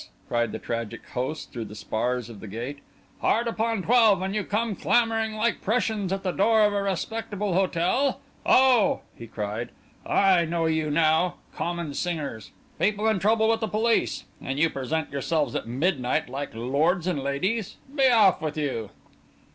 cried the tragic host through the spars of the gate. "Hard upon twelve, and you come clamouring like Prussians at the door of a respectable hotel? Oh!" he cried, "I know you now! Common singers! People in trouble with the police! And you present yourselves at midnight like lords and ladies? Be off with you!"